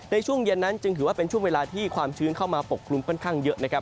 ในช่วงเย็นนั้นจึงถือว่าเป็นช่วงเวลาที่ความชื้นเข้ามาปกคลุมค่อนข้างเยอะนะครับ